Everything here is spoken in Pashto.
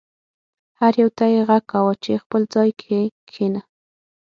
هر یو ته یې غږ کاوه چې خپل ځای کې کښېنه.